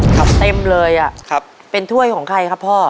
ครับเต็มเลยอ่ะครับเป็นถ้วยของใครครับพ่อ